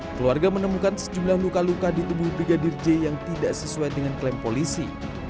keluarga menemukan sejumlah luka luka di tubuh brigadir j yang tidak sesuai dengan klaim polisi